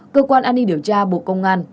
cơ quan an ninh điều tra bộ công an